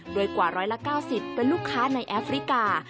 โดยกว่า๑๙๐เป็นลูกค้าในแอฟริกา